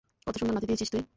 কতো সুন্দর নাতি দিয়েছিস তুই।